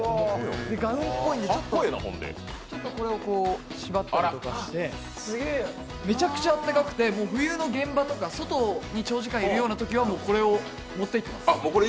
ガウンっぽいんで、ちょっとこれを縛ったりとかしてめちゃくちゃ暖かくて、冬の現場とか外に長時間いるようなときはこれを持っていきます。